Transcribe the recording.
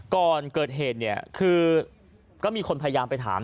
ก่อนเกิดเหตุเนี่ยคือก็มีคนพยายามไปถาม